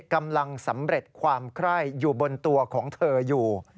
กำลังสำเร็จความไคร้อยู่บนตัวของเธออยู่